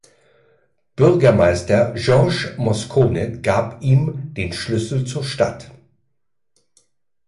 Bürgermeister George Moscone gab ihm den Schlüssel zur Stadt.